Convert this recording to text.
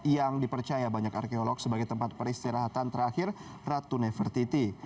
yang dipercaya banyak arkeolog sebagai tempat peristirahatan terakhir ratu nevertiti